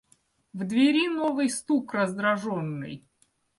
В двери новый стук раздраженный.